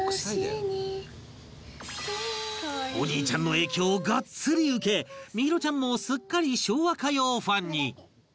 お兄ちゃんの影響をガッツリ受けみひろちゃんもすっかり昭和歌謡ファンに